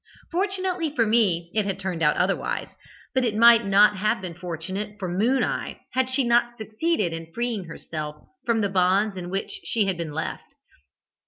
Fortunately for me it had turned out otherwise, but it might not have been fortunate for 'Moon eye' had she not succeeded in freeing herself from the bonds in which she had been left.